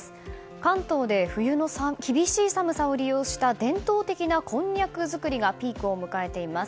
関東で冬の厳しい寒さを利用した伝統的なこんにゃく作りがピークを迎えています。